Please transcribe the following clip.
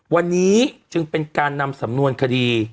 วันนี้จึงเป็นการนำสำนวนคดี